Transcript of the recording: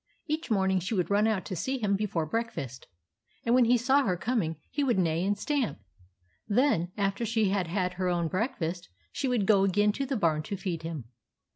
Each morning she would run out to see him before breakfast, and when he saw her coming he would neigh and stamp. Then, after she had had her own breakfast, she would go again to the barn to feed him.